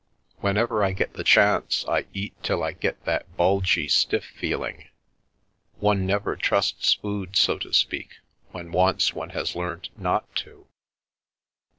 Whenever I get the chance I eat till I get that bulgy stiff feeling. One never trusts food, so to speak, when once one has learnt not to."